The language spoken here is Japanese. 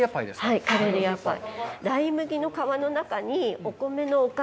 はいカレリアパイ。